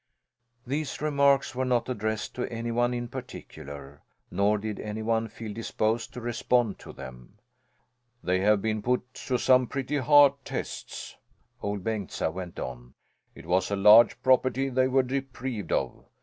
These remarks were not addressed to any one in particular, nor did any one feel disposed to respond to them. "They have been put to some pretty hard tests," Ol' Bengtsa went on. "It was a large property they were deprived of.